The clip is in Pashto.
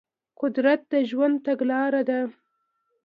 قدرت د ژوند تګلاره ده.